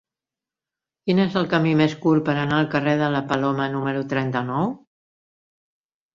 Quin és el camí més curt per anar al carrer de la Paloma número trenta-nou?